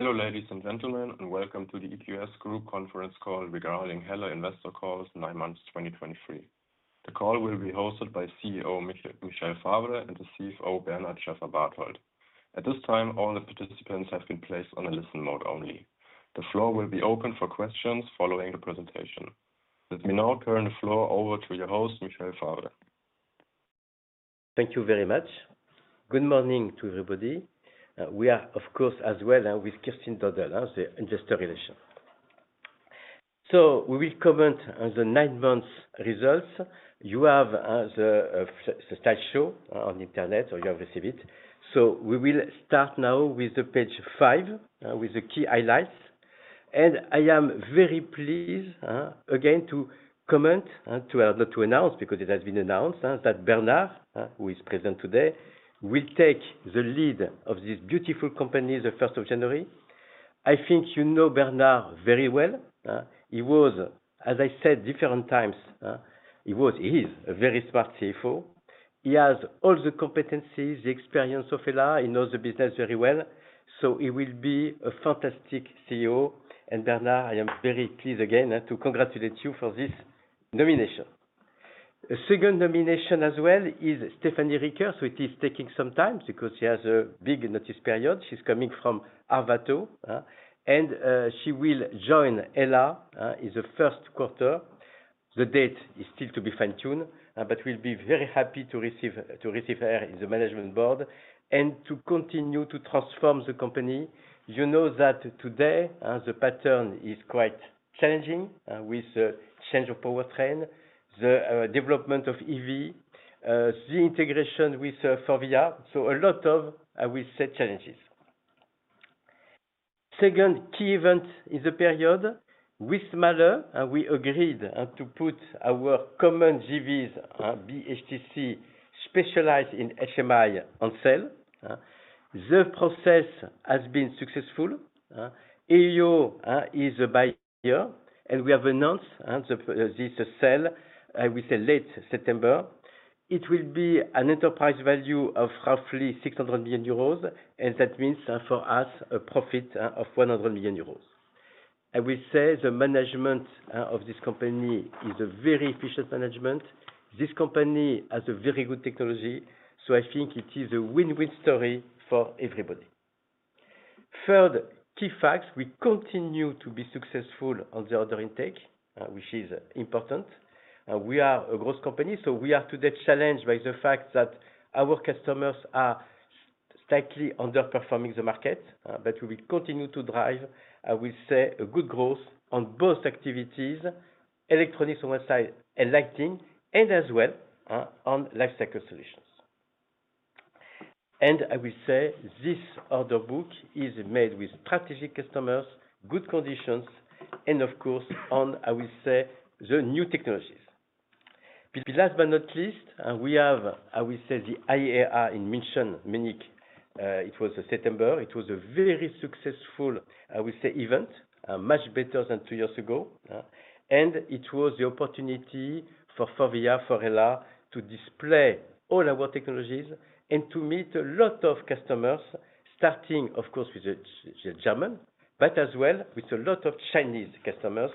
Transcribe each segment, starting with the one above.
Hello, ladies and gentlemen, and welcome to the EQS Group conference call regarding HELLA Investor Calls, 9 months, 2023. The call will be hosted by CEO Michel Favre, and the CFO, Bernard Schäferbarthold. At this time, all the participants have been placed on a listen mode only. The floor will be open for questions following the presentation. Let me now turn the floor over to your host, Michel Favre. Thank you very much. Good morning to everybody. We are, of course, as well, with Kerstin Dodel, as the Investor Relations. So we will comment on the nine months results. You have the slide show on internet, or you have received it. So we will start now with the page 5, with the key highlights. And I am very pleased, again, to comment, not to announce, because it has been announced, that Bernard, who is present today, will take the lead of this beautiful company, the first of January. I think you know Bernard very well. He was, as I said, different times, he is a very smart CFO. He has all the competencies, the experience of HELLA. He knows the business very well, so he will be a fantastic CEO. And Bernard, I am very pleased again, to congratulate you for this nomination. The second nomination as well is Stefanie Ricke, so it is taking some time because she has a big notice period. She's coming from Arvato, and she will join HELLA in the first quarter. The date is still to be fine-tuned, but we'll be very happy to receive, to receive her in the management board, and to continue to transform the company. You know that today, the pattern is quite challenging, with the change of powertrain, the development of EV, the integration with FORVIA. So a lot of, I will say, challenges. Second key event in the period, with MAHLE, we agreed to put our common JVs, BHTC, specialized in HMI on sale. The process has been successful. AUO is a buyer, and we have announced this sale. We say late September. It will be an enterprise value of roughly 600 million euros, and that means for us a profit of 100 million euros. I will say the management of this company is a very efficient management. This company has a very good technology, so I think it is a win-win story for everybody. Third key facts, we continue to be successful on the order intake, which is important. We are a growth company, so we are today challenged by the fact that our customers are slightly underperforming the market, but we will continue to drive, I will say, a good growth on both activities, electronics on one side, and lighting, and as well, on lifecycle solutions. I will say this order book is made with strategic customers, good conditions, and of course, on, I will say, the new technologies. Last but not least, we have, I will say, the IAA in München, Munich. It was September. It was a very successful, I will say event, much better than 2 years ago, and it was the opportunity for FORVIA, for HELLA to display all our technologies and to meet a lot of customers, starting, of course, with the German, but as well with a lot of Chinese customers.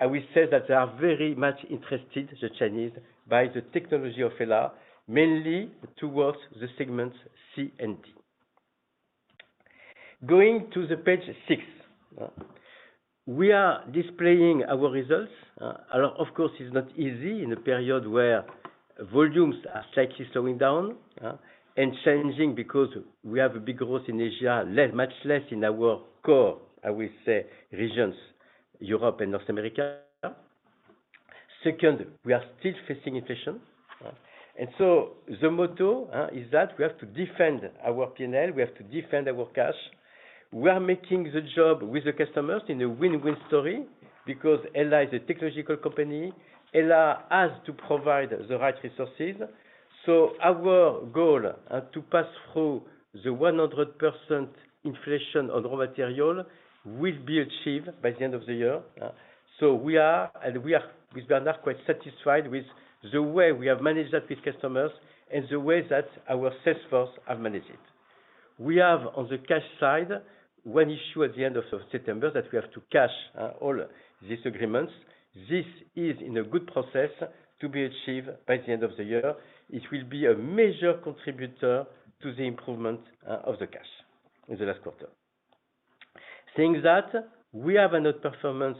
I will say that they are very much interested, the Chinese, by the technology of HELLA, mainly towards the segments C and D. Going to the page 6, we are displaying our results. Of course, it's not easy in a period where volumes are slightly slowing down, and changing, because we have a big growth in Asia, much less in our core, I will say, regions, Europe and North America. Second, we are still facing inflation, and so the motto is that we have to defend our P&L, we have to defend our cash. We are making the job with the customers in a win-win story, because HELLA is a technological company. HELLA has to provide the right resources. So our goal to pass through the 100% inflation on raw material will be achieved by the end of the year. So we are, and we are, with Bernard, quite satisfied with the way we have managed that with customers and the way that our sales force have managed it. We have, on the cash side, one issue at the end of September that we have to cash all these agreements. This is in a good process to be achieved by the end of the year. It will be a major contributor to the improvement of the cash in the last quarter. Saying that, we have another performance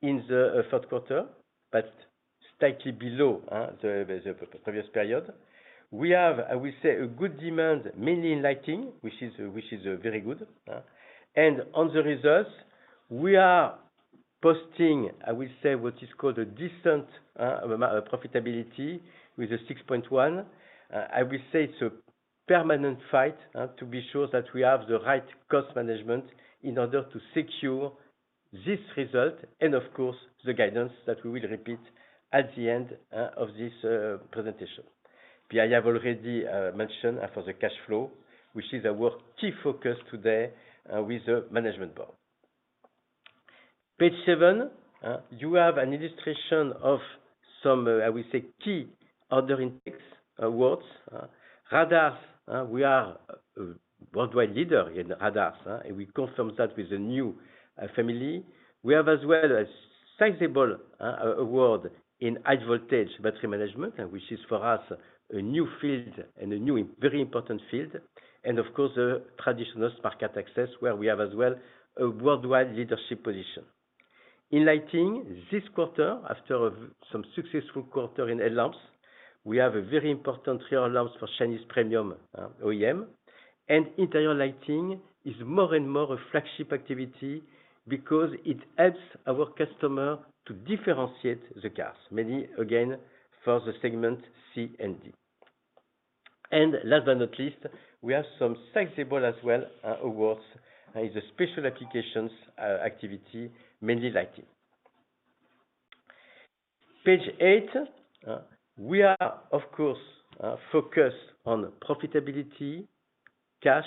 in the third quarter, but slightly below the previous period. We have, I will say, a good demand, mainly in lighting, which is very good. And on the results, we are posting, I will say, what is called a decent profitability with a 6.1%. I will say it's a permanent fight to be sure that we have the right cost management in order to secure this result, and of course, the guidance that we will repeat at the end of this presentation. I have already mentioned for the cash flow, which is our key focus today, with the management board. Page seven, you have an illustration of some, I would say, key order intake awards. Radars, we are a worldwide leader in radars, and we confirm that with a new family. We have as well a sizable award in high voltage battery management, which is for us, a new field and a new, very important field, and of course, the traditional market access, where we have as well, a worldwide leadership position. In lighting, this quarter, after some successful quarter in headlamps, we have a very important rear lamps for Chinese premium OEM. And interior lighting is more and more a flagship activity because it helps our customer to differentiate the cars, mainly again, for the segment C and D. And last but not least, we have some sizable awards as well in the special applications activity, mainly lighting. Page eight, we are, of course, focused on profitability, cash.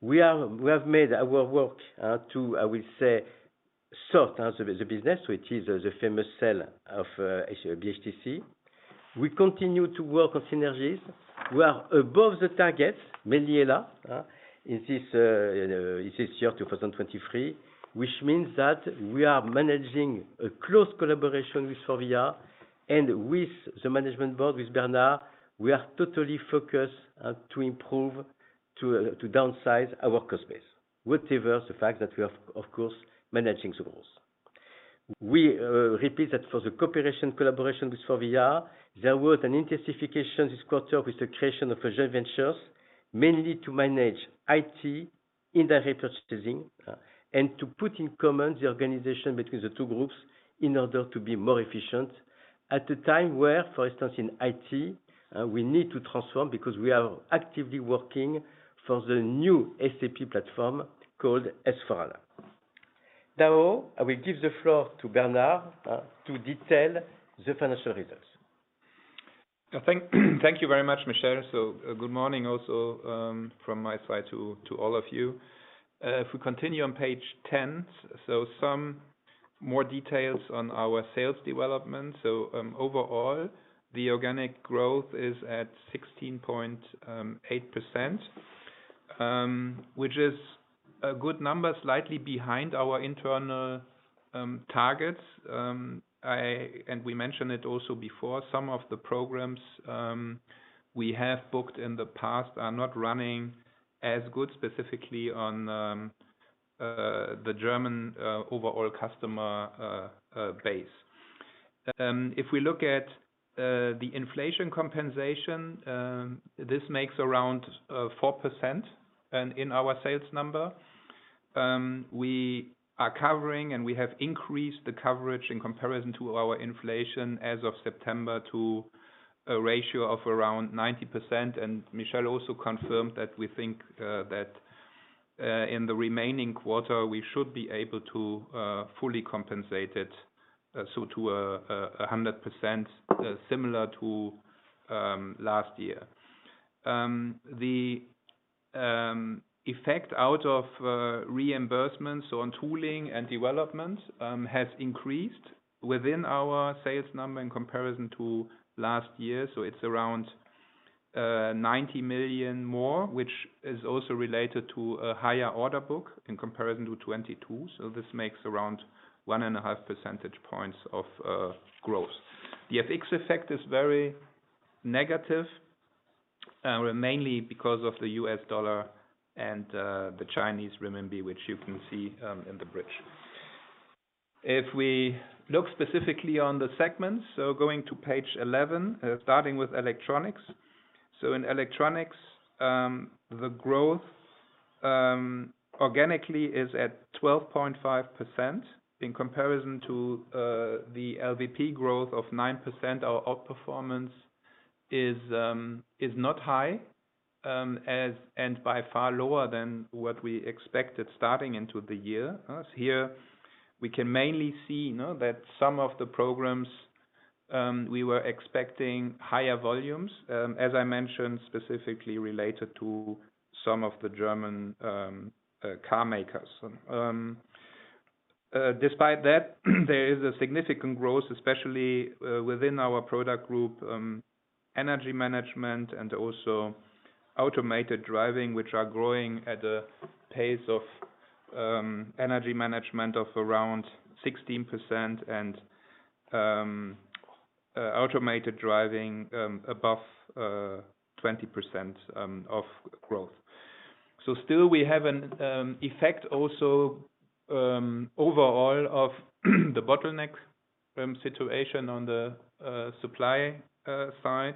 We have made our work to, I will say, sort out the business, which is the famous sale of BHTC. We continue to work on synergies. We are above the target, mainly HELLA, in this year, 2023. Which means that we are managing a close collaboration with Faurecia, and with the management board, with Bernard, we are totally focused to improve to downsize our cost base, whatever the fact that we are, of course, managing the growth. We repeat that for the cooperation, collaboration with Faurecia, there were an intensification this quarter with the creation of a joint ventures, mainly to manage IT in the purchasing, and to put in common the organization between the two groups in order to be more efficient. At the time where, for instance, in IT, we need to transform because we are actively working for the new SAP platform called S/4HANA. Now, I will give the floor to Bernard to detail the financial results. Thank you very much, Michel. So, good morning also from my side to all of you. If we continue on page 10, some more details on our sales development. Overall, the organic growth is at 16.8%, which is a good number, slightly behind our internal targets. And we mentioned it also before, some of the programs we have booked in the past are not running as good, specifically on the German overall customer base. If we look at the inflation compensation, this makes around 4%. And in our sales number, we are covering, and we have increased the coverage in comparison to our inflation as of September, to a ratio of around 90%. Michel also confirmed that we think that in the remaining quarter, we should be able to fully compensate it, so to 100%, similar to last year. The effect out of reimbursements on tooling and development has increased within our sales number in comparison to last year. So it's around 90 million more, which is also related to a higher order book in comparison to 2022. So this makes around 1.5 percentage points of growth. The FX effect is very negative, mainly because of the US dollar and the Chinese renminbi, which you can see in the bridge. If we look specifically on the segments, so going to page 11, starting with electronics. So in electronics, the growth organically is at 12.5% in comparison to the LVP growth of 9%. Our outperformance is not high, and by far lower than what we expected starting into the year. Here, we can mainly see, you know, that some of the programs we were expecting higher volumes, as I mentioned, specifically related to some of the German carmakers. Despite that, there is a significant growth, especially within our product group, Energy Management and also Automated Driving, which are growing at a pace of Energy Management of around 16%, and Automated Driving above 20% of growth. So still we have an effect also overall of the bottleneck situation on the supply side.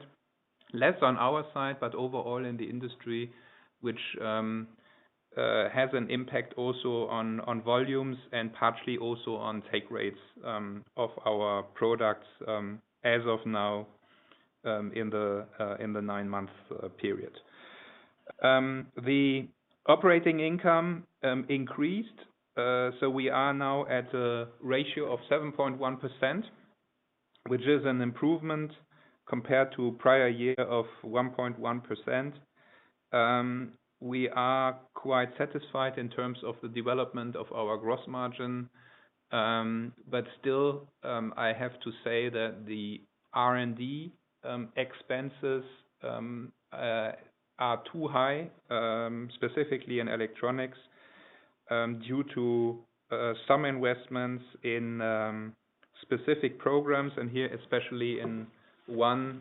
Less on our side, but overall in the industry, which has an impact also on volumes and partially also on take rates of our products, as of now, in the nine-month period. The operating income increased, so we are now at a ratio of 7.1%, which is an improvement compared to prior year of 1.1%. We are quite satisfied in terms of the development of our gross margin, but still, I have to say that the R&D expenses are too high, specifically in electronics, due to some investments in specific programs, and here, especially in one,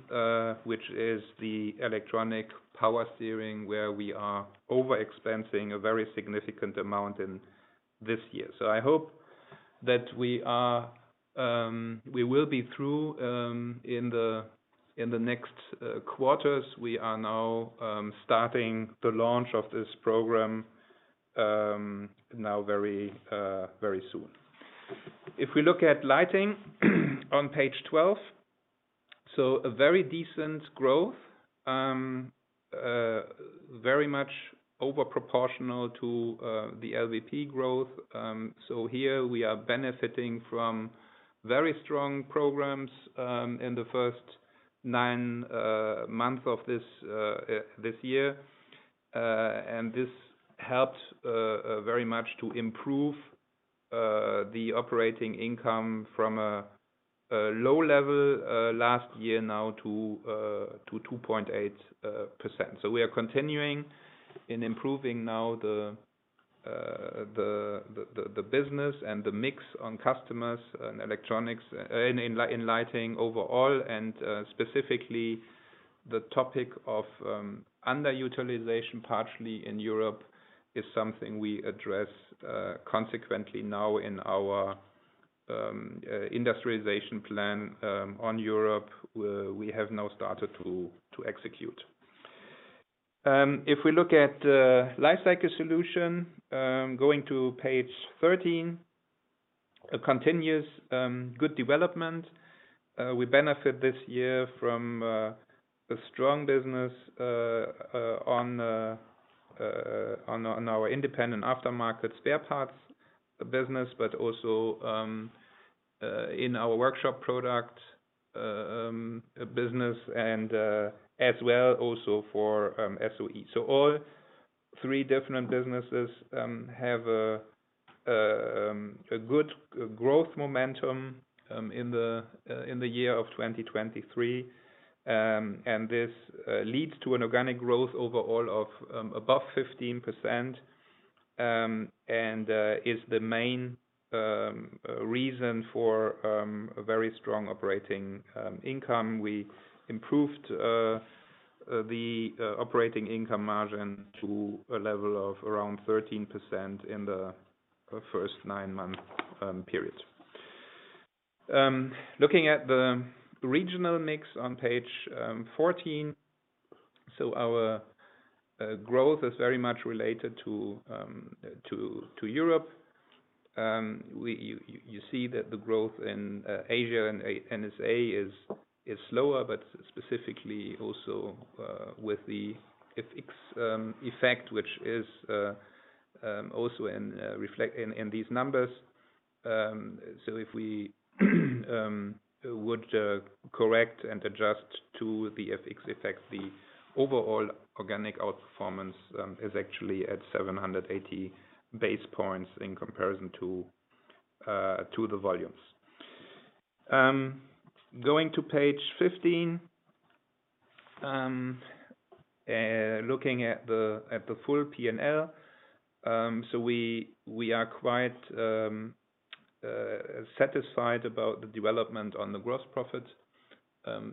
which is the Electronic Power Steering, where we are over-expensing a very significant amount in this year. So I hope that we are, we will be through in the next quarters. We are now starting the launch of this program now very very soon. If we look at lighting on page 12, so a very decent growth very much over proportional to the LVP growth. So here we are benefiting from very strong programs in the first nine months of this year. And this helped very much to improve the operating income from a low level last year now to 2.8%. So we are continuing in improving now the business and the mix on customers and electronics, in lighting overall, and, specifically, the topic of underutilization, partially in Europe, is something we address, consequently now in our industrialization plan, on Europe, where we have now started to execute. If we look at lifecycle solution, going to page 13, a continuous good development. We benefit this year from the strong business on our independent aftermarket spare parts business, but also in our workshop product business, and as well also for SOE. So all three different businesses have a good growth momentum in the year of 2023. And this leads to an organic growth overall of above 15%, and is the main reason for a very strong operating income. We improved the operating income margin to a level of around 13% in the first nine-month period. Looking at the regional mix on page 14. So our growth is very much related to Europe. You see that the growth in Asia and North America is slower, but specifically also with the FX effect, which is also reflected in these numbers. So if we would correct and adjust to the FX effect, the overall organic outperformance is actually at 780 base points in comparison to the volumes. Going to page 15, looking at the full P&L. So we are quite satisfied about the development on the gross profit.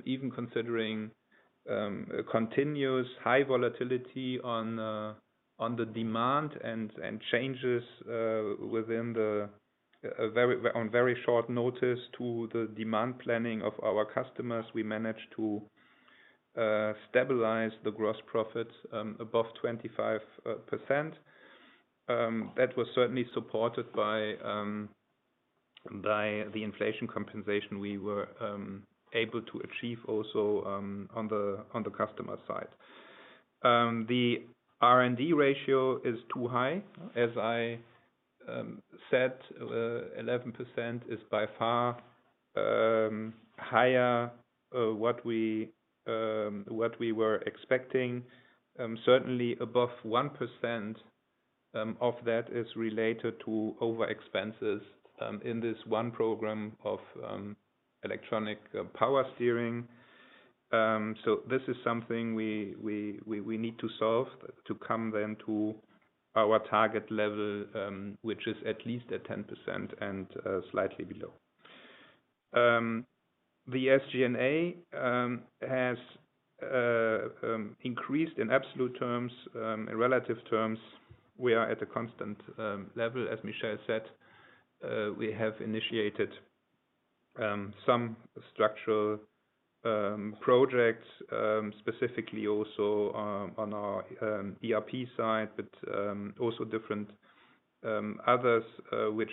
Even considering a continuous high volatility on the demand and changes within the very short notice to the demand planning of our customers, we managed to stabilize the gross profit above 25%. That was certainly supported by the inflation compensation we were able to achieve also on the customer side. The R&D ratio is too high, as I said, 11% is by far higher what we were expecting. Certainly above 1% of that is related to over expenses in this one program of Electronic Power Steering. So this is something we need to solve to come then to our target level, which is at least at 10% and slightly below. The SG&A has increased in absolute terms. In relative terms, we are at a constant level. As Michael said, we have initiated some structural projects, specifically also on our ERP side, but also different others, which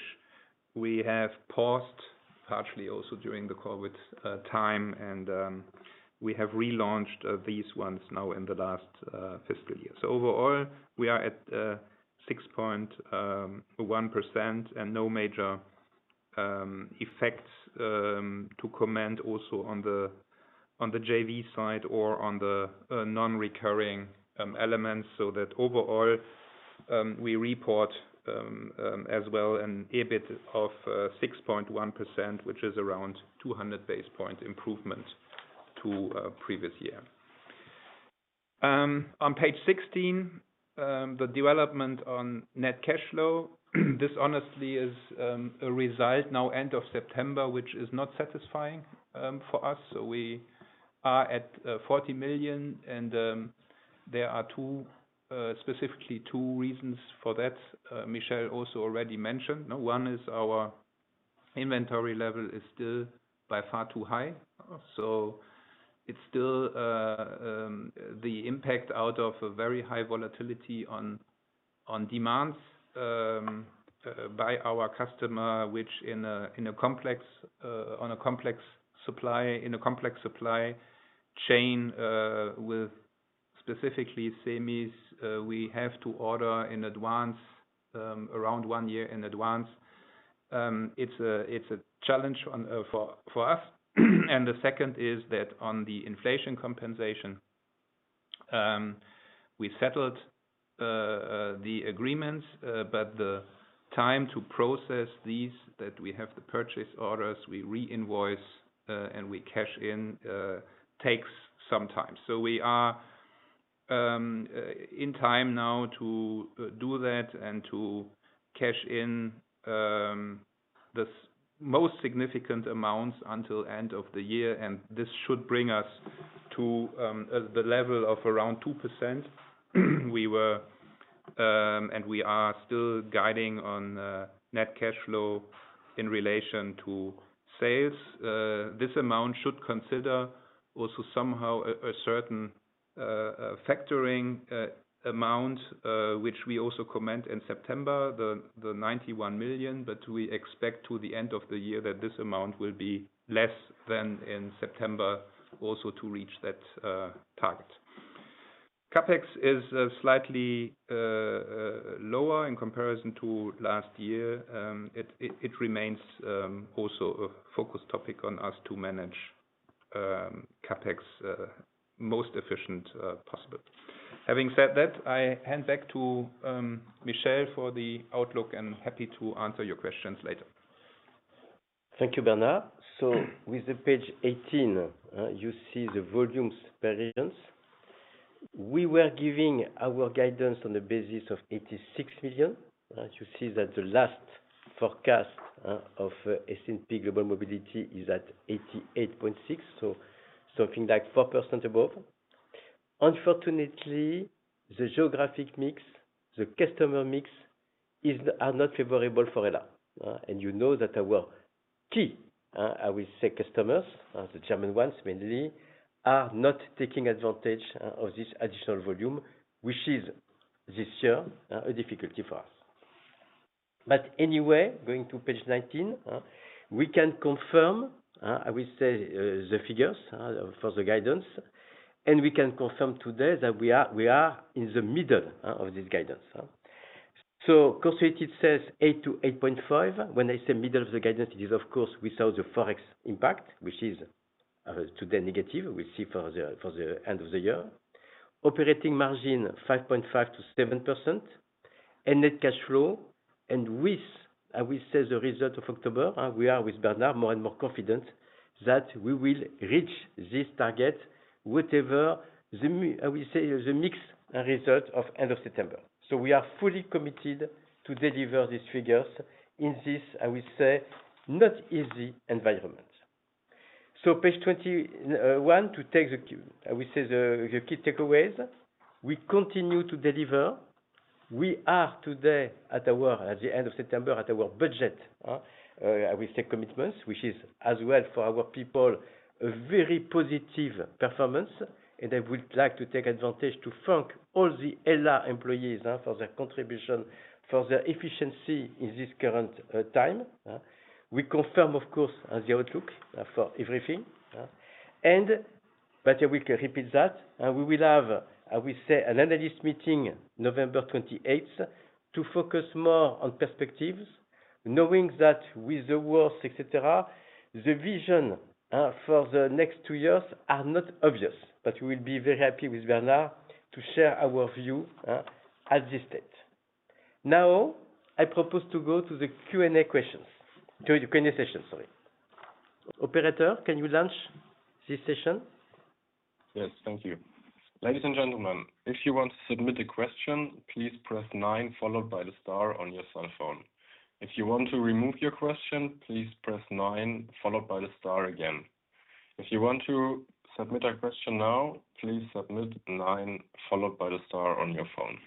we have paused, partially also during the COVID time and... We have relaunched these ones now in the last fiscal year. So overall, we are at 6.1% and no major effects to comment also on the JV side or on the non-recurring elements. So that overall, we report as well an EBIT of 6.1%, which is around 200 basis point improvement to previous year. On page 16, the development on net cash flow, this honestly is a result now end of September, which is not satisfying for us. So we are at 40 million and there are two specifically two reasons for that. Michel also already mentioned. Now, one is our inventory level is still by far too high, so it's still the impact out of a very high volatility on demands by our customer, which in a complex supply chain with specifically semis, we have to order in advance, around one year in advance. It's a challenge for us. And the second is that on the inflation compensation, we settled the agreements, but the time to process these, that we have the purchase orders, we re-invoice, and we cash in, takes some time. So we are in time now to do that and to cash in the most significant amounts until end of the year, and this should bring us to the level of around 2%. We were and we are still guiding on net cash flow in relation to sales. This amount should consider also somehow a certain factoring amount, which we also comment in September, the 91 million, but we expect to the end of the year that this amount will be less than in September, also to reach that target. CapEx is slightly lower in comparison to last year. It remains also a focus topic on us to manage CapEx most efficient possible. Having said that, I hand back to Michel for the outlook and happy to answer your questions later. Thank you, Bernard. So with page 18, you see the volumes variance. We were giving our guidance on the basis of 86 million. You see that the last forecast of S&P Global Mobility is at 88.6, so something like 4% above. Unfortunately, the geographic mix, the customer mix is, are not favorable for HELLA. And you know that our key, I will say customers, the German ones mainly, are not taking advantage of this additional volume, which is this year, a difficulty for us. But anyway, going to page 19, we can confirm, I will say, the figures for the guidance, and we can confirm today that we are, we are in the middle of this guidance, huh? So cost, it says 8-8.5. When I say middle of the guidance, it is of course without the Forex impact, which is today negative, we'll see for the end of the year. Operating margin 5.5%-7%, and net cash flow, and with, I will say, the result of October, we are with Bernard more and more confident that we will reach this target, whatever the mixed result of end of September. So we are fully committed to deliver these figures in this, I will say, not easy environment. So page 21 to take the key takeaways. We continue to deliver. We are today at our, at the end of September, at our budget, I will say commitments, which is as well for our people, a very positive performance, and I would like to take advantage to thank all the HELLA employees, for their contribution, for their efficiency in this current, time, huh? We confirm, of course, as the outlook for everything, and but I will repeat that, and we will have, I will say, an analyst meeting November 28th to focus more on perspectives, knowing that with the world, et cetera, the vision, for the next two years are not obvious. But we will be very happy with Bernard to share our view, at this date. Now, I propose to go to the Q&A questions. To the Q&A session, sorry. Operator, can you launch this session? Yes, thank you. Ladies and gentlemen, if you want to submit a question, please press nine followed by the star on your cell phone. If you want to remove your question, please press nine followed by the star again. If you want to submit a question now, please submit nine followed by the star on your phone. ...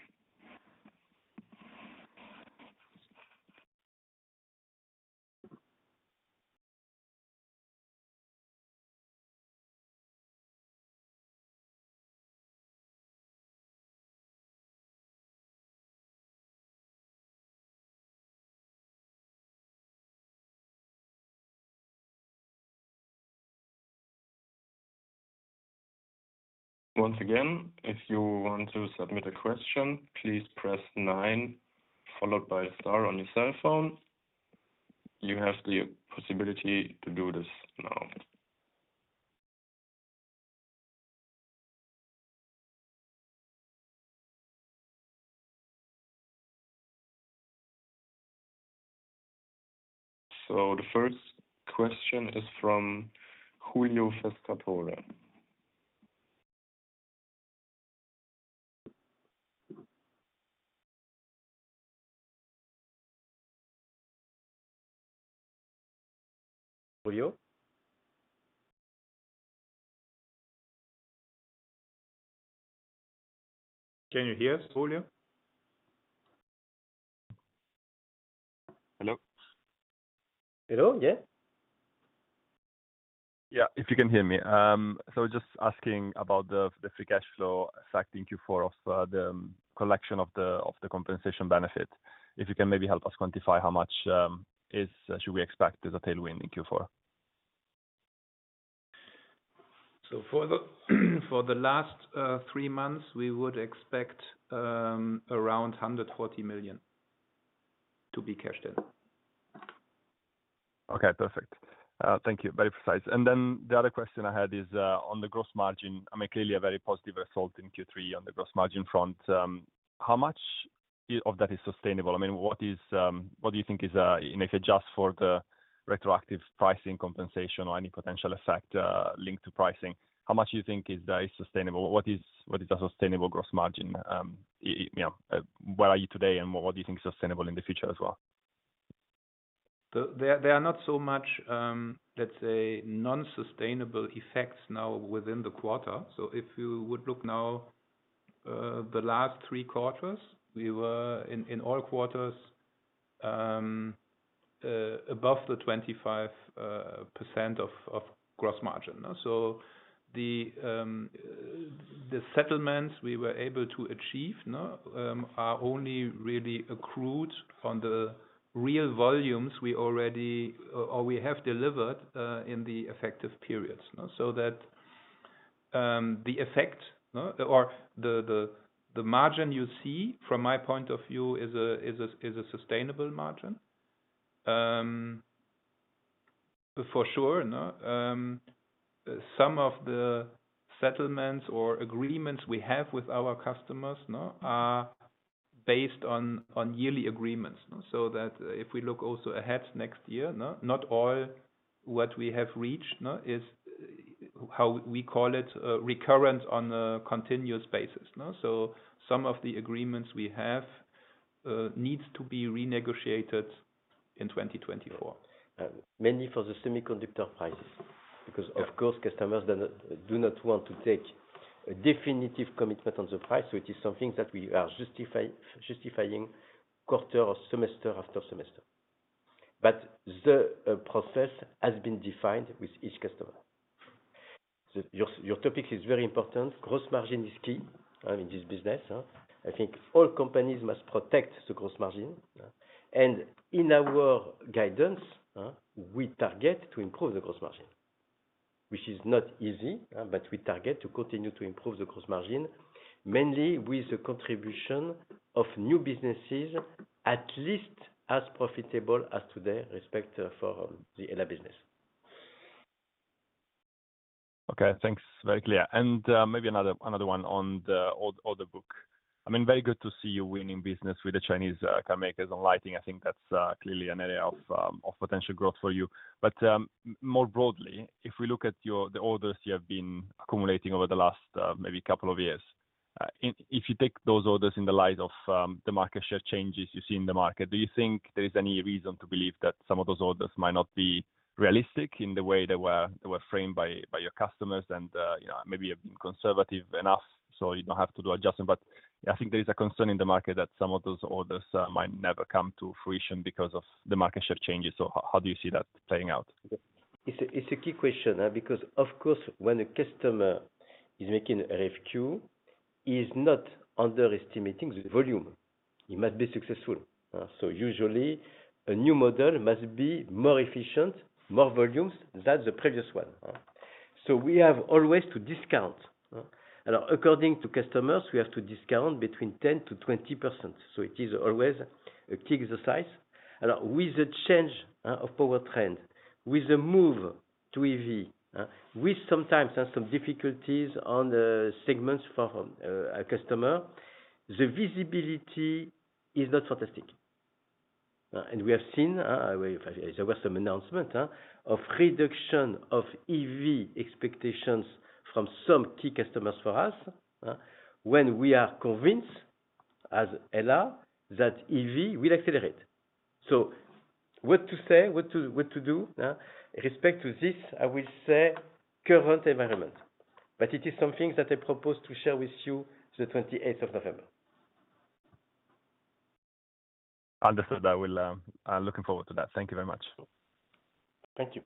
Once again, if you want to submit a question, please press nine, followed by star on your cellphone. You have the possibility to do this now. So the first question is from Giulio Pescatore. Giulio? Can you hear us, Giulio? Hello? Hello, yeah. Yeah, if you can hear me, so just asking about the free cash flow effect in Q4 of the collection of the compensation benefit. If you can maybe help us quantify how much should we expect as a tailwind in Q4? So for the last three months, we would expect around 140 million to be cashed in. Okay, perfect. Thank you. Very precise. And then the other question I had is on the gross margin. I mean, clearly a very positive result in Q3 on the gross margin front. How much of that is sustainable? I mean, what is what do you think is, you know, if you adjust for the retroactive pricing compensation or any potential effect linked to pricing, how much do you think is sustainable? What is, what is a sustainable gross margin? You know, where are you today and what do you think is sustainable in the future as well? There are not so much, let's say, non-sustainable effects now within the quarter. So if you would look now, the last three quarters, we were in all quarters above the 25% of gross margin, so the settlements we were able to achieve, no, are only really accrued on the real volumes we already or we have delivered in the effective periods, no? So that, the effect, no, or the margin you see from my point of view is a sustainable margin. For sure, no, some of the settlements or agreements we have with our customers, no, are based on yearly agreements, no? So that if we look also ahead next year, no, not all what we have reached, no, is, how we call it, recurrent on a continuous basis, no? So some of the agreements we have needs to be renegotiated in 2024. Mainly for the semiconductor prices, because- Yeah Of course, customers do not want to take a definitive commitment on the price. So it is something that we are justifying quarter or semester after semester. But the process has been defined with each customer. So your topic is very important. Gross margin is key in this business. I think all companies must protect the gross margin. And in our guidance, we target to improve the gross margin, which is not easy, but we target to continue to improve the gross margin, mainly with the contribution of new businesses, at least as profitable as today, respect for the HELLA business. Okay, thanks. Very clear. And maybe another one on the order book. I mean, very good to see you winning business with the Chinese car makers on lighting. I think that's clearly an area of potential growth for you. But more broadly, if we look at the orders you have been accumulating over the last maybe couple of years, if you take those orders in the light of the market share changes you see in the market, do you think there is any reason to believe that some of those orders might not be realistic in the way they were framed by your customers and, you know, maybe conservative enough, so you don't have to do adjustment? But, I think there is a concern in the market that some of those orders might never come to fruition because of the market share changes. So how do you see that playing out? It's a, it's a key question, because, of course, when a customer is making RFQ, he's not underestimating the volume. He must be successful, so usually a new model must be more efficient, more volumes than the previous one. So we have always to discount, and according to customers, we have to discount between 10%-20%. So it is always a key exercise. And with the change, of power trend, with the move to EV, we sometimes have some difficulties on the segments for, a customer. The visibility is not fantastic. And we have seen, there were some announcement, of reduction of EV expectations from some key customers for us, when we are convinced as HELLA, that EV will accelerate. So what to say? What to do with respect to this, I will say, current environment, but it is something that I propose to share with you the twenty-eighth of November. Understood. I will, I'm looking forward to that. Thank you very much. Thank you.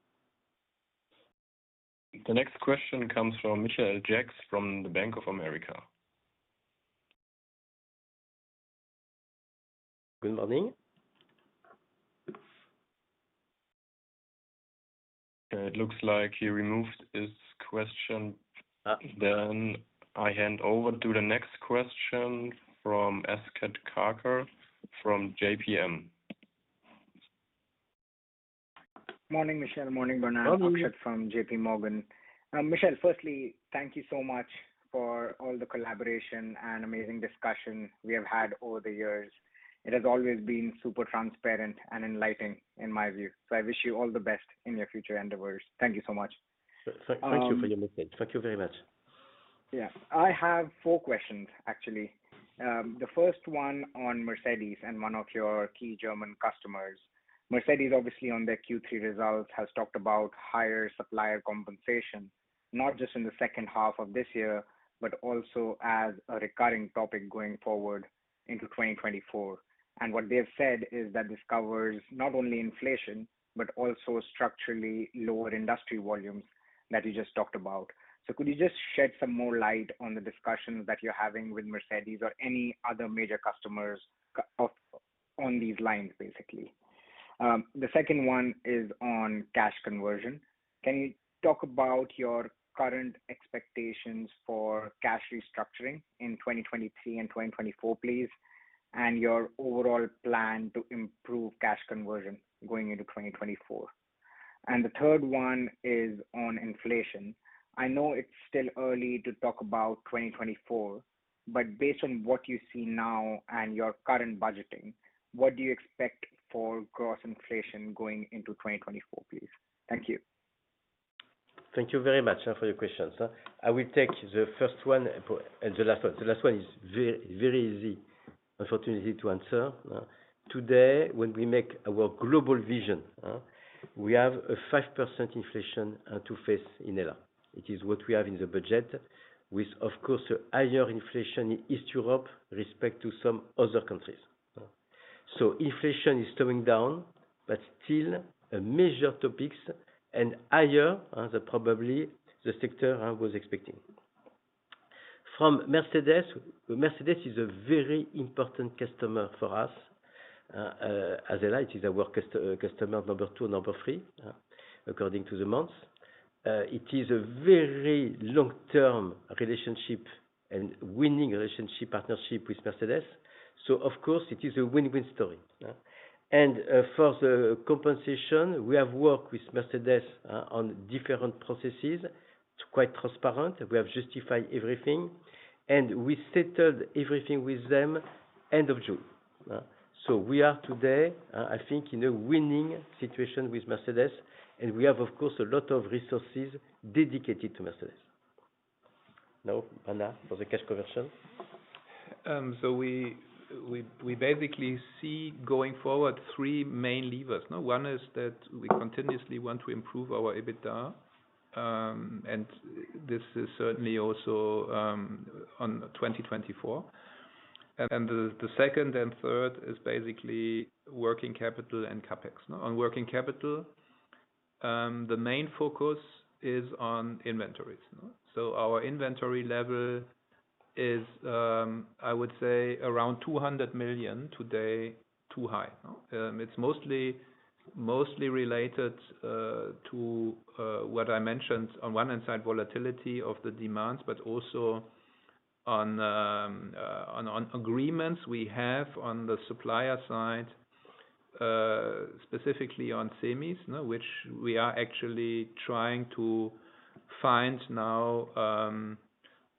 The next question comes from Michael Jacks, from the Bank of America.... Good morning. It looks like he removed his question. Ah. I hand over to the next question from Akshat Karulkar from JPM. Morning, Michel. Morning, Bernard. Morning. Akshat from J.P. Morgan. Michel, firstly, thank you so much for all the collaboration and amazing discussion we have had over the years. It has always been super transparent and enlightening, in my view. So I wish you all the best in your future endeavors. Thank you so much. Thank you for your message. Thank you very much. Yeah. I have four questions, actually. The first one on Mercedes and one of your key German customers. Mercedes, obviously, on their Q3 results, has talked about higher supplier compensation, not just in the second half of this year, but also as a recurring topic going forward into 2024. And what they have said is that this covers not only inflation, but also structurally lower industry volumes that you just talked about. So could you just shed some more light on the discussions that you're having with Mercedes or any other major customers of, on these lines, basically? The second one is on cash conversion. Can you talk about your current expectations for cash restructuring in 2023 and 2024, please, and your overall plan to improve cash conversion going into 2024? And the third one is on inflation. I know it's still early to talk about 2024, but based on what you see now and your current budgeting, what do you expect for gross inflation going into 2024, please? Thank you. Thank you very much for your questions. I will take the first one and the last one. The last one is very easy, unfortunately, to answer. Today, when we make our global vision, we have a 5% inflation to face in EUR. It is what we have in the budget with, of course, a higher inflation in East Europe respect to some other countries. So inflation is slowing down, but still a major topics and higher than probably the sector was expecting. From Mercedes, Mercedes is a very important customer for us. As HELLA, it is our customer number two, number three according to the months. It is a very long-term relationship and winning relationship, partnership with Mercedes, so of course, it is a win-win story. And, for the compensation, we have worked with Mercedes, on different processes. It's quite transparent. We have justified everything, and we settled everything with them end of June. So we are today, I think, in a winning situation with Mercedes, and we have, of course, a lot of resources dedicated to Mercedes. Now, Bernard, for the cash conversion. So we basically see going forward three main levers, no? One is that we continuously want to improve our EBITDA, and this is certainly also on 2024. The second and third is basically working capital and CapEx, no? On working capital, the main focus is on inventories, no? So our inventory level is, I would say, around 200 million today, too high, no? It's mostly related to what I mentioned on one hand side, volatility of the demands, but also on agreements we have on the supplier side, specifically on semis, no? Which we are actually trying to find now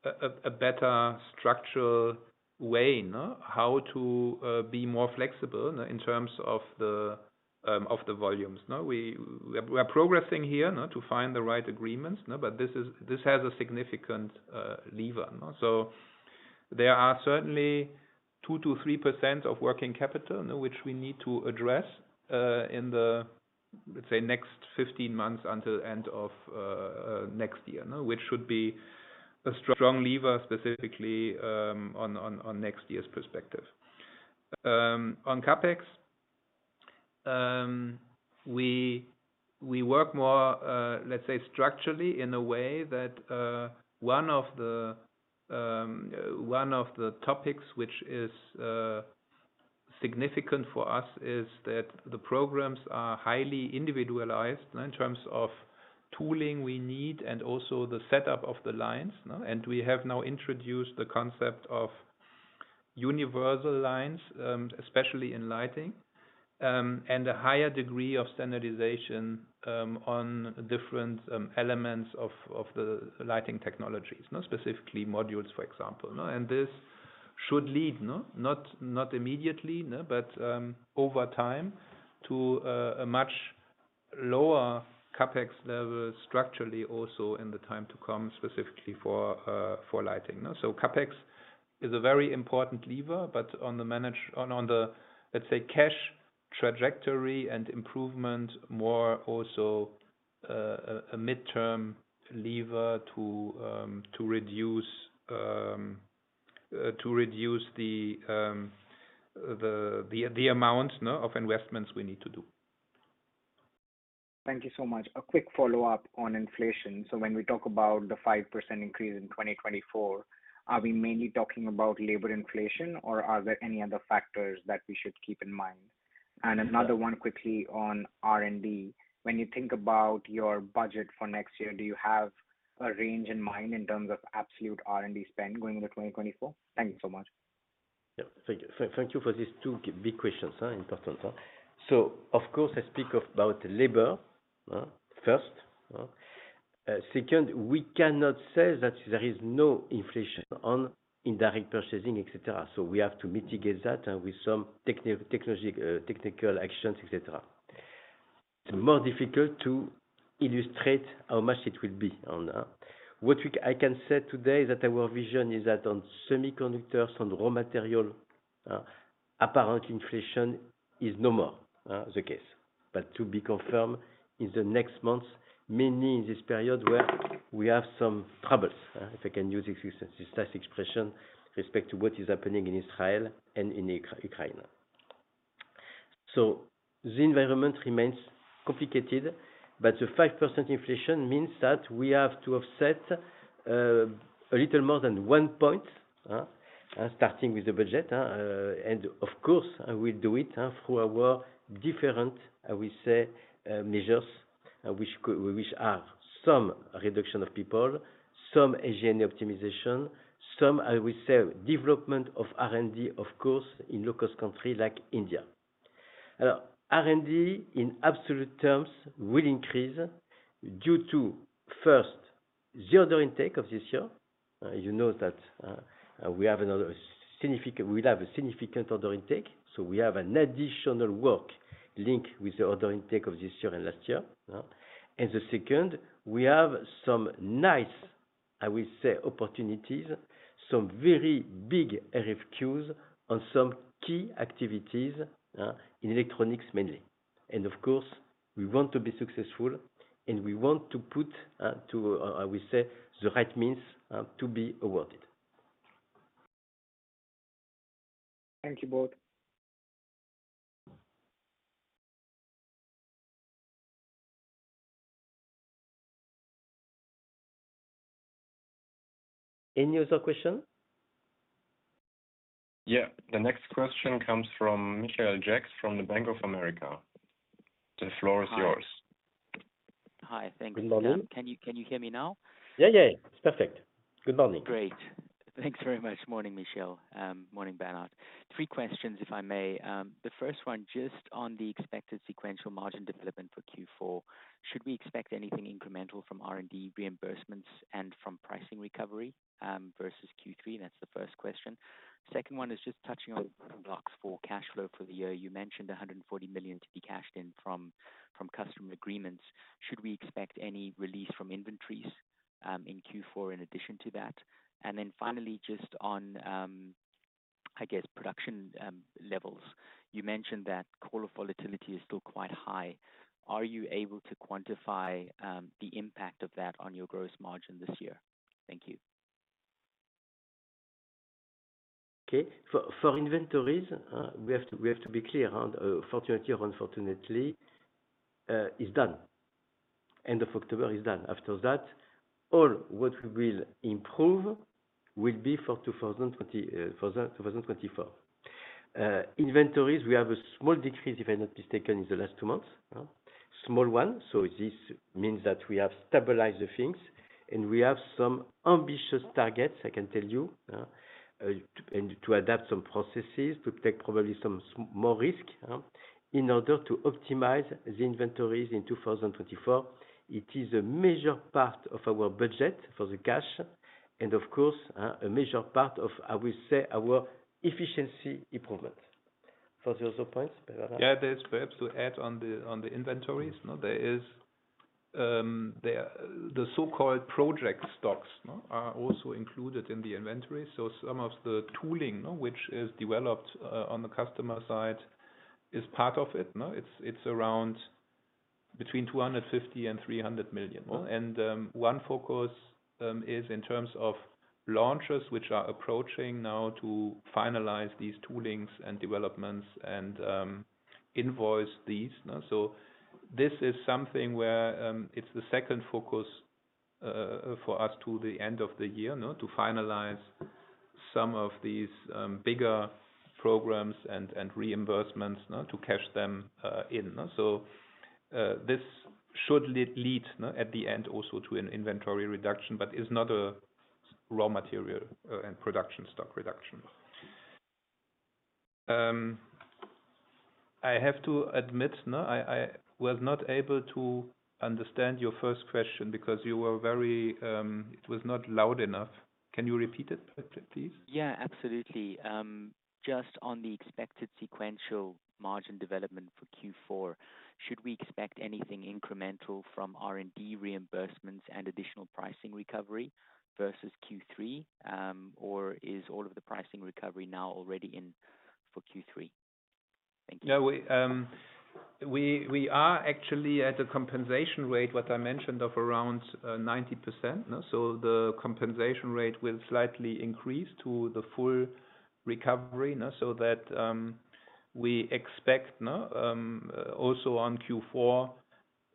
a better structural way, no? How to be more flexible, no, in terms of the volumes, no? We are progressing here, no, to find the right agreements, no, but this is—this has a significant lever, no? So there are certainly 2%-3% of working capital, no, which we need to address, in the, let's say, next 15 months until end of next year, no? Which should be a strong lever, specifically, on next year's perspective. On CapEx, we work more, let's say structurally in a way that one of the topics, which is significant for us, is that the programs are highly individualized in terms of tooling we need and also the setup of the lines, no? We have now introduced the concept of universal lines, especially in lighting, and a higher degree of standardization on different elements of the lighting technologies, no? Specifically modules, for example, no? And this should lead, not immediately, but over time to a much lower CapEx level structurally also in the time to come, specifically for lighting, no? So CapEx is a very important lever, but on the, on the, let's say, cash trajectory and improvement, more also a midterm lever to reduce the amount of investments we need to do.... Thank you so much. A quick follow-up on inflation. So when we talk about the 5% increase in 2024, are we mainly talking about labor inflation, or are there any other factors that we should keep in mind? And another one quickly on R&D. When you think about your budget for next year, do you have a range in mind in terms of absolute R&D spend going into 2024? Thank you so much. Yeah. Thank you. Thank you for these two big questions, important, huh? So of course, I speak about labor first. Second, we cannot say that there is no inflation on indirect purchasing, et cetera, so we have to mitigate that with some technology, technical actions, et cetera. It's more difficult to illustrate how much it will be on... What I can say today is that our vision is that on semiconductors, on raw material, apparent inflation is no more the case. But to be confirmed in the next months, mainly in this period, where we have some troubles, if I can use this expression, respect to what is happening in Israel and in Ukraine. So the environment remains complicated, but the 5% inflation means that we have to offset a little more than 1 point starting with the budget. And of course, I will do it through our different, I will say, measures which are some reduction of people, some SG&A optimization, some, I will say, development of R&D, of course, in low-cost country like India. R&D, in absolute terms, will increase due to, first, the order intake of this year. You know that we have another significant- we'll have a significant order intake, so we have an additional work linked with the order intake of this year and last year. And the second, we have some nice, I will say, opportunities, some very big RFQs on some key activities in electronics mainly. And of course, we want to be successful, and we want to put, I will say, the right means to be awarded. Thank you, both. Any other question? Yeah, the next question comes from Michael Jacks, from the Bank of America. The floor is yours. Hi. Hi, thank you. Good morning. Can you, can you hear me now? Yeah, yeah. It's perfect. Good morning. Great. Thanks very much. Morning, Michel. Morning, Bernard. Three questions, if I may. The first one, just on the expected sequential margin development for Q4, should we expect anything incremental from R&D reimbursements and from pricing recovery, versus Q3? That's the first question. Second one is just touching on blocks for cash flow for the year. You mentioned 140 million to be cashed in from customer agreements. Should we expect any release from inventories, in Q4 in addition to that? And then finally, just on, I guess, production levels. You mentioned that call volatility is still quite high. Are you able to quantify, the impact of that on your gross margin this year? Thank you. Okay. For inventories, we have to be clear on, fortunately or unfortunately, is done. End of October is done. After that, all what we will improve will be for 2020, for 2024. Inventories, we have a small decrease, if I'm not mistaken, in the last two months. Small one, so this means that we have stabilized the things, and we have some ambitious targets, I can tell you, to and to adapt some processes, to take probably some more risk, in order to optimize the inventories in 2024. It is a major part of our budget for the cash and, of course, a major part of, I will say, our efficiency improvement. For the other points, Bernard? Yeah, there's perhaps to add on the, on the inventories, no? There is, the so-called project stocks, no, are also included in the inventory. So some of the tooling, which is developed, on the customer side, is part of it, no? It's around between 250 million-300 million. Mm. One focus is in terms of launches, which are approaching now to finalize these toolings and developments and, invoice these, no. So this is something where, it's the second focus, for us to the end of the year, no, to finalize some of these, bigger programs and, and reimbursements, no, to cash them, in. So, this should lead, no, at the end, also to an inventory reduction, but is not a raw material and production stock reduction. I have to admit, no, I, I was not able to understand your first question because you were very... It was not loud enough. Can you repeat it, please? Yeah, absolutely. Just on the expected sequential margin development for Q4, should we expect anything incremental from R&D reimbursements and additional pricing recovery versus Q3? Or is all of the pricing recovery now already in for Q3? Thank you. Yeah, we are actually at a compensation rate, what I mentioned, of around 90%, no? So the compensation rate will slightly increase to the full recovery, no, so that we expect also on Q4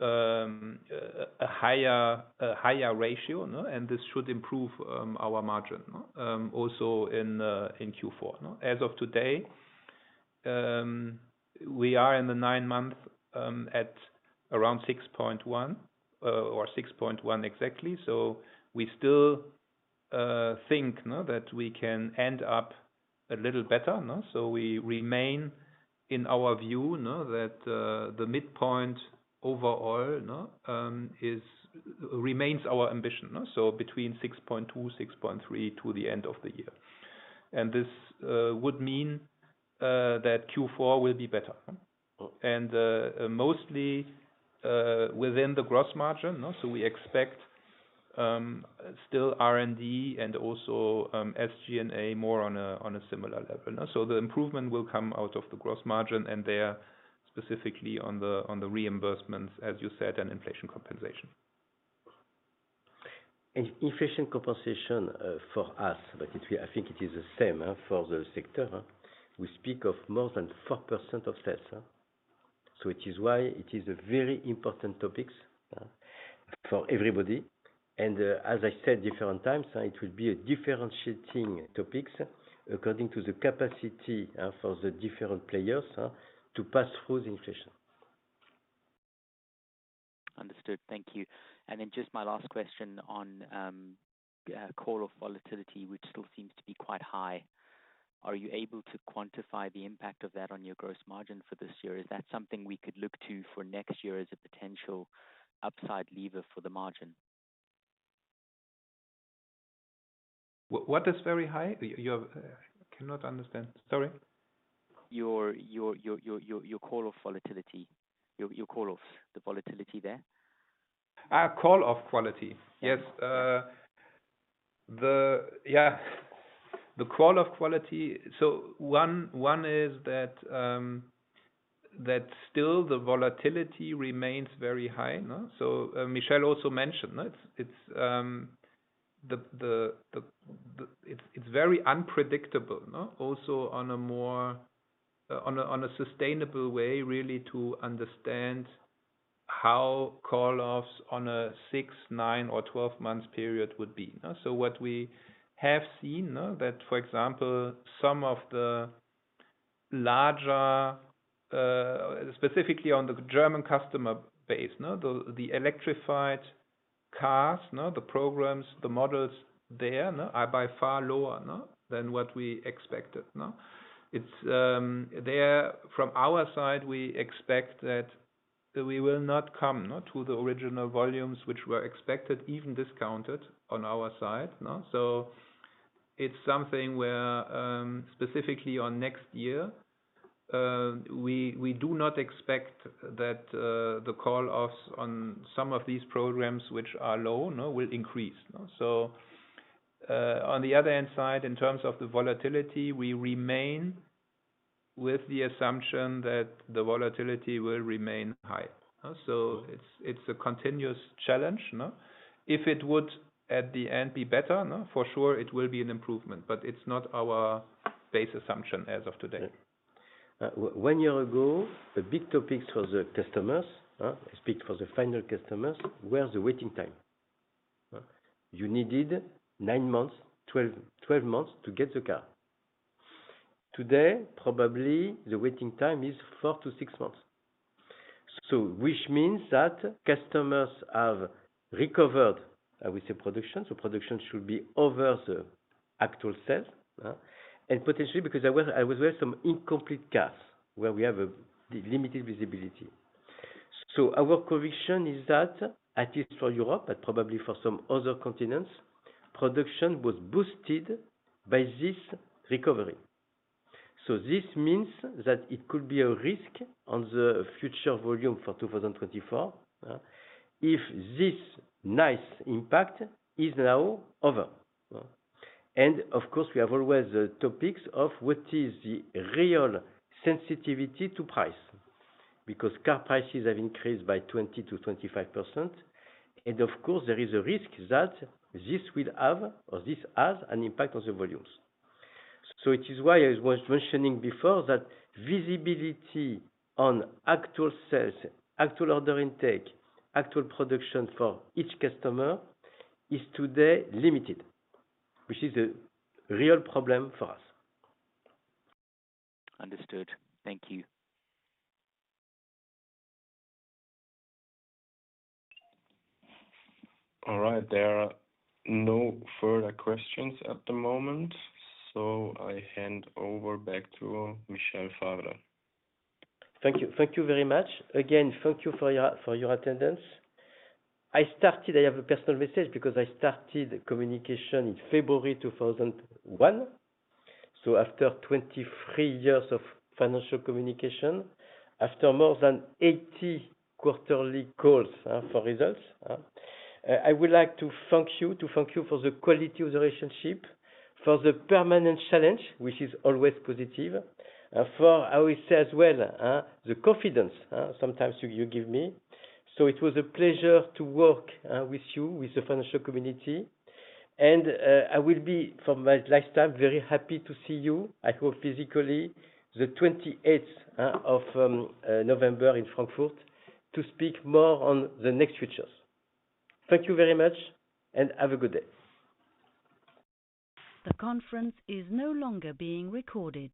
a higher ratio, you know, and this should improve our margin also in Q4, you know. As of today, we are in the nine-month at around 6.1 or 6.1 exactly. So we still think, you know, that we can end up a little better, no? So we remain in our view, you know, that the midpoint overall, you know, remains our ambition, so between 6.2-6.3 to the end of the year. And this would mean that Q4 will be better. Mostly within the Gross Margin, so we expect still R&D and also SG&A more on a similar level. So the improvement will come out of the Gross Margin, and they are specifically on the reimbursements, as you said, and inflation compensation. Inflation compensation for us, but it, I think it is the same for the sector, huh? We speak of more than 4% of sales. So it is why it is a very important topics for everybody. And, as I said, different times, it will be a differentiating topics according to the capacity for the different players to pass through the inflation. Understood. Thank you. And then just my last question on call off volatility, which still seems to be quite high. Are you able to quantify the impact of that on your gross margin for this year? Is that something we could look to for next year as a potential upside lever for the margin? What is very high? You have... I cannot understand. Sorry. Your call on volatility. Your call on the volatility there. Ah, call off quality. Yes. Yes, Yeah, the call-off quality. So one is that, that still the volatility remains very high, no? So, Michel also mentioned, it's very unpredictable, no? Also, on a more sustainable way, really to understand how call-offs on a 6, 9 or 12 months period would be, no? So what we have seen, that, for example, some of the larger, specifically on the German customer base, no, the electrified cars, no, the programs, the models there, no, are by far lower, no, than what we expected, no? It's there from our side, we expect that we will not come, no, to the original volumes which were expected, even discounted on our side, no. So it's something where, specifically on next year, we do not expect that the call offs on some of these programs, which are low, no, will increase. So, on the other hand side, in terms of the volatility, we remain with the assumption that the volatility will remain high. So it's a continuous challenge, no? If it would, at the end, be better, no, for sure it will be an improvement, but it's not our base assumption as of today. One year ago, the big topics for the customers, speak for the final customers, were the waiting time. You needed 9 months, 12, 12 months to get the car. Today, probably the waiting time is 4-6 months. So which means that customers have recovered, I would say, production. So production should be over the actual sales, and potentially because there were, there were some incomplete cars where we have a limited visibility. So our conviction is that at least for Europe, and probably for some other continents, production was boosted by this recovery. So this means that it could be a risk on the future volume for 2024, if this nice impact is now over. And of course, we have always the topics of what is the real sensitivity to price, because car prices have increased by 20%-25%. Of course, there is a risk that this will have or this has an impact on the volumes. It is why I was mentioning before, that visibility on actual sales, actual order intake, actual production for each customer is today limited, which is a real problem for us. Understood. Thank you. All right. There are no further questions at the moment, so I hand over back to Michel Favre. Thank you. Thank you very much. Again, thank you for your, for your attendance. I have a personal message because I started communication in February 2001. So after 23 years of financial communication, after more than 80 quarterly calls for results, I would like to thank you, to thank you for the quality of the relationship, for the permanent challenge, which is always positive, for I will say as well, the confidence sometimes you give me. So it was a pleasure to work with you, with the financial community, and I will be for my lifetime very happy to see you. I hope physically, the 28th of November in Frankfurt, to speak more on the next features. Thank you very much and have a good day. The conference is no longer being recorded.